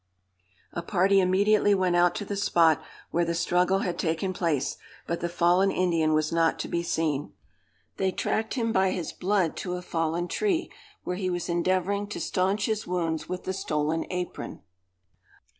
A party immediately went out to the spot where the struggle had taken place, but the fallen Indian was not to be seen. They tracked him by his blood to a fallen tree, where he was endeavouring to stanch his wounds with the stolen apron.